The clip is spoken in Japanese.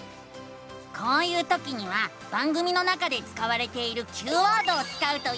こういうときには番組の中で使われているＱワードを使うといいのさ！